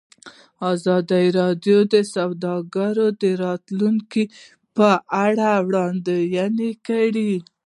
ازادي راډیو د سوداګري د راتلونکې په اړه وړاندوینې کړې.